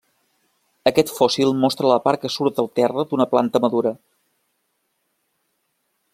Aquest fòssil mostra la part que surt del terra d'una planta madura.